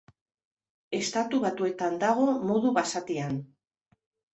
Estatu Batuetan dago modu basatian.